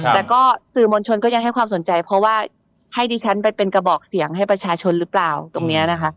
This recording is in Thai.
แต่ก็สื่อมวลชนก็ยังให้ความสนใจเพราะว่าให้ดิฉันไปเป็นกระบอกเสียงให้ประชาชนหรือเปล่าตรงนี้นะคะ